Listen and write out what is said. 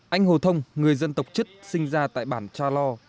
anh hồ thông người dân tộc chất sinh ra tại bản cha lo